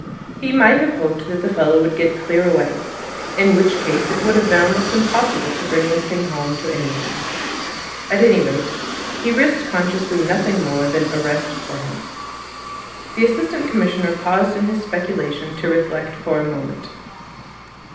He might have hoped that the fellow would get clear away; in which case it would have been almost impossible to bring this thing home to anyone. At any rate he risked consciously nothing more but arrest for him." The Assistant Commissioner paused in his speculations to reflect for a moment.